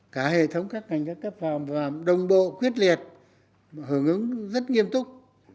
cả hệ thống các ngành các cấp phòng và đồng bộ quyết liệt hướng ứng rất nghiêm túc